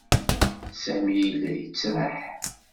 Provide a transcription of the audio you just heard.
Sami yella yettraḥ.